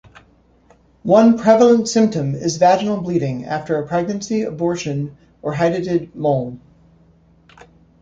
One prevalent symptom is vaginal bleeding after a pregnancy, abortion, or hydatid mole.